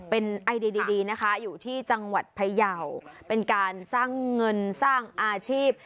เป็นนะคะอยู่ที่จังหวัดพัยยาวเป็นการสร้างเงินสร้างอาชีพ